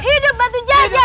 hidup batu jajar